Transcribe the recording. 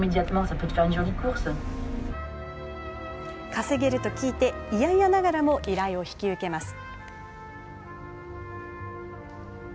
稼げると聞き、いやいやながらも依頼を引き受けます。